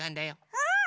うん！